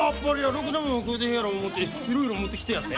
ろくなもん食うてへんやろ思うていろいろ持ってきてやったんや。